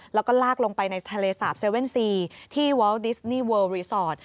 แล้วก็ลากลงไปในทะเลสาบเซเว่นซีที่วอลดิสนี่เวิลรีสอร์ท